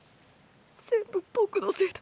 全部僕のせいだ。